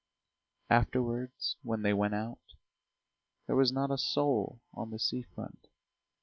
Afterwards when they went out there was not a soul on the sea front.